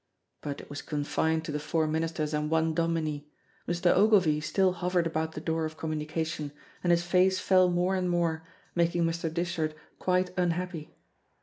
But it was confined to the four ministers and one dominie. Mr. Ogilvy still hovered about the door of communication, and his face fell more and more, making Mr. Dishart quite unhappy.